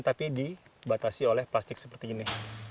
tapi dibatasi oleh plastik seperti ini